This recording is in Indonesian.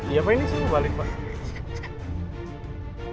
iya pak ini sih balik pak